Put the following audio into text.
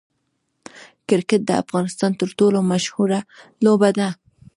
کرکټ د افغانستان تر ټولو مشهوره لوبه ده.